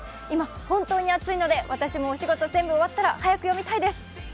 今、本当に熱いので、私もお仕事終わったら早く読みたいです。